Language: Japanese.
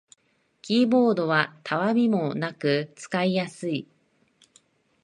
キーボードはたわみもなく使いやすい